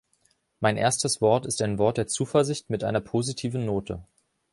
Mein erstes Wort ist ein Wort der Zuversicht mit einer positiven Note.